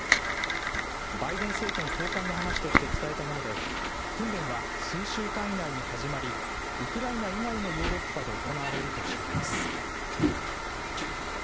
バイデン政権高官の話として伝えたもので、訓練は数週間以内に始まり、ウクライナ以外のヨーロッパで行われるとしています。